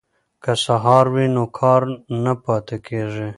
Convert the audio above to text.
که سهار وي نو کار نه پاتې کیږي.